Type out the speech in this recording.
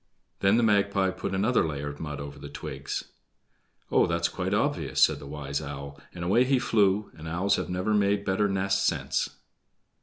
Then the Magpie put another layer of mud over the twigs. "Oh, that's quite obvious," said the wise owl, and away he flew; and owls have never made better nests since.